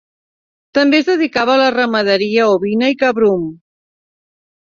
També es dedicava a la ramaderia ovina i cabrum.